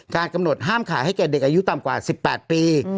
กำหนดห้ามขายให้แก่เด็กอายุต่ำกว่า๑๘ปี